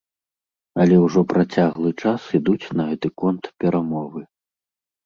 Але ўжо працяглы час ідуць на гэты конт перамовы.